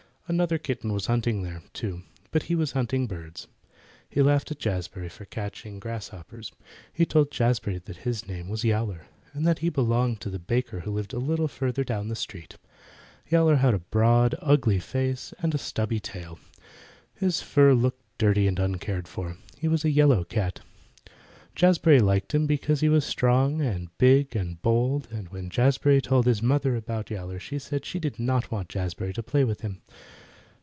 Another kitten was hunting there, too, but he was hunting birds. He laughed at Jazbury for catching grasshoppers. He told Jazbury his name was Yowler, and that he belonged to the baker who lived further down the street. Yowler had a broad, ugly face and a stubby tail, and his fur looked dirty and uncared for. He was a yellow cat. Jazbury liked him because he was strong and big and bold, but when Jazbury told his mother about Yowler she said she did not want Jazbury to play with him.